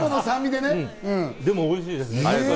でもおいしいです。